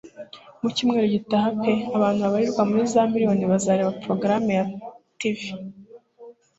Icyumweru gitaha pe abantu babarirwa muri za miriyoni bazareba porogaramu ya TV